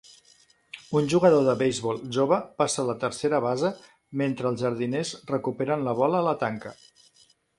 Un jugador de beisbol jove passa la tercera base mentre els jardiners recuperen la bola a la tanca